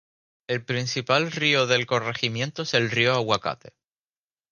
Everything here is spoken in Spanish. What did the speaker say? El principal río del corregimiento es el río Aguacate.